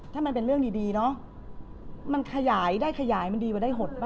ถ้ามันเป็นเรื่องดีเนอะมันขยายได้ขยายมันดีกว่าได้หดป่